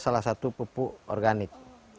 ini adalah salah satu pupuk organik